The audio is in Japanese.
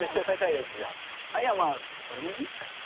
いやまあそれなりに。